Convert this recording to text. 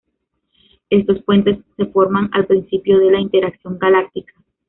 Estos puentes se forman al principio de la interacción galáctica.